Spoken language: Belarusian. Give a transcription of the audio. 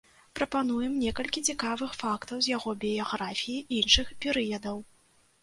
Прапануем некалькі цікавых фактаў з яго біяграфіі іншых перыядаў.